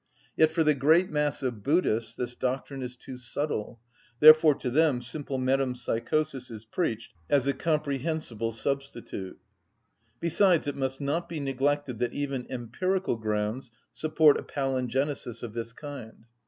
Yet for the great mass of Buddhists this doctrine is too subtle; therefore to them simple metempsychosis is preached as a comprehensible substitute. Besides, it must not be neglected that even empirical grounds support a palingenesis of this kind.